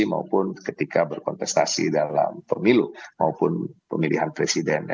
maupun ketika berkontestasi dalam pemilu maupun pemilihan presiden